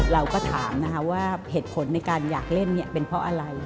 เราก็ถามนะคะว่าเหตุผลในการอยากเล่นเป็นเพราะอะไร